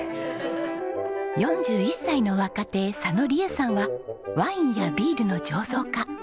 ４１歳の若手佐野理恵さんはワインやビールの醸造家。